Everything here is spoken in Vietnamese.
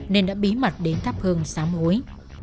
nên đã bí mật đến thắp hương sáu mối